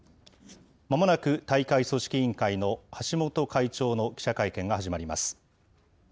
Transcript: まもなく大会組織委員会の橋本会長の記者会見が始まります。